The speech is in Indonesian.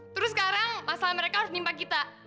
terus sekarang masalah mereka harus menimpa kita